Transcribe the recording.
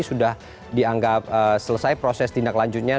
sudah dianggap selesai proses tindaklanjutnya